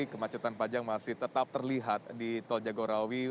kemacetan panjang masih tetap terlihat di tol jagorawi